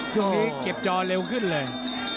ช่วงนี้เก็บจอเร็วขึ้นเลย